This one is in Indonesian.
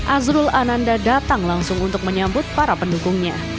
azrul ananda datang langsung untuk menyambut para pendukungnya